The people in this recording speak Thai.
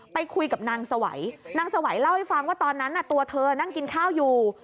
ไปคุยกับนางสวัยนางสวัยเล่าให้ฟังว่าตอนนั้นตัวเธอนั่งกินข้าวอยู่